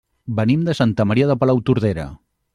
Venim de Santa Maria de Palautordera.